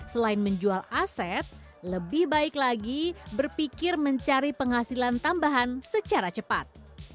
selain menjual aset lebih baik lagi berpikir mencari penghasilan tambahan secara cepat